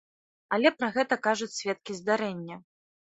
Але пра гэта кажуць сведкі здарэння.